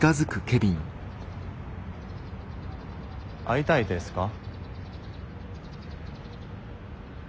会いたいですか？